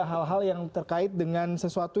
hal hal yang terkait dengan sesuatu